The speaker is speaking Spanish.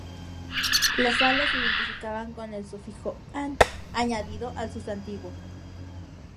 Las sales se identificaban con el sufijo "-an" añadido al sustantivo.